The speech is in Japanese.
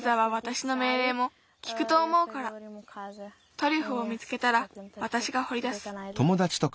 トリュフを見つけたらわたしがほりだす。